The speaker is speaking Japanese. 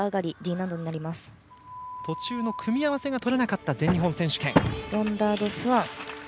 途中の組み合わせが取れなかった全日本選手権。